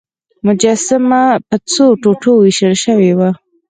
مجسمه په څو ټوټو ویشل شوې وه.